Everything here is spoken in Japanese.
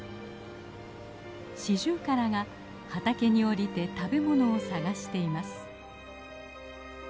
シジュウカラが畑に下りて食べ物を探しています。